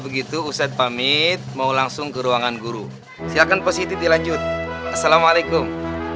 begitu ustadz pamit mau langsung ke ruangan guru silakan positif dilanjut assalamualaikum